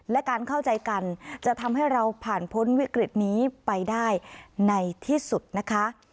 และการเข้าใจกันจะทำให้เราผ่านพ้นวิกฤตนี้ไปได้ในที่สุดนะคะ